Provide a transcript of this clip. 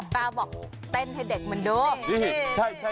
กาบอกเต้นให้เด็กมันดู